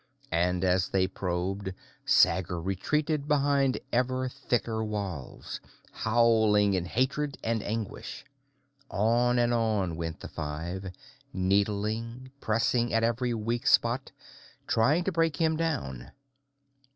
And as they probed, Sager retreated behind ever thicker walls, howling in hatred and anguish. On and on went the five, needling, pressing at every weak spot, trying to break him down.